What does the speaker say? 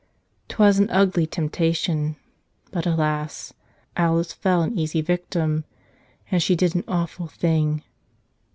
'Twas an ugly temptation. But alas! Alice fell an easy victim. And she did an awful thing.